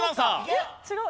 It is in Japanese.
えっ違う？